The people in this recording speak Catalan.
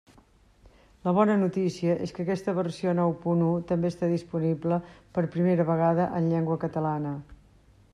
La bona notícia és que aquesta versió nou punt u també està disponible, per primera vegada, en llengua catalana.